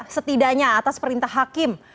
setidaknya atas perintah hakim